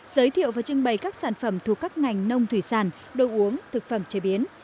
giới thiệu và trưng bày các sản phẩm thuộc các ngành nông thủy sản đồ uống thực phẩm chế biến